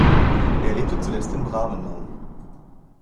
Er lebte zuletzt in Brahmenau.